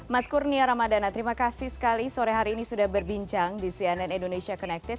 mas kurnia ramadana terima kasih sekali sore hari ini sudah berbincang di cnn indonesia connected